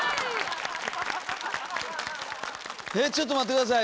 えちょっと待って下さい。